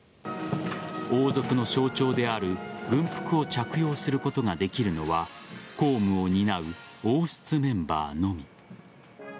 王族の象徴である軍服を着用することができるのは公務を担う王室メンバーのみ。